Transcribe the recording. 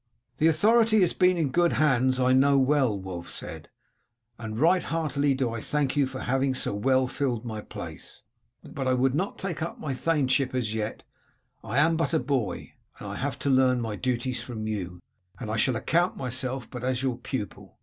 "The authority has been in good hands, I know well," Wulf said, "and right heartily do I thank you for having so well filled my place; but I would not take up my thaneship as yet I am but a boy, and have to learn my duties from you, and shall account myself but as your pupil.